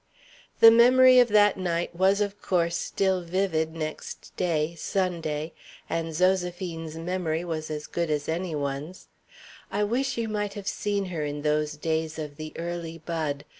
The memory of that night was of course still vivid next day, Sunday, and Zoséphine's memory was as good as any one's. I wish you might have seen her in those days of the early bud.